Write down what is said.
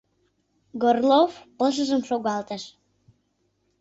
Горлов пылышыжым шогалтыш.